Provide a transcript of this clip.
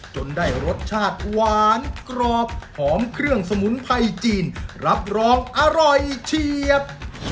จนได้รสชาติหวานกรอบหอมเครื่องสมุนไพรจีนรับรองอร่อยเฉียด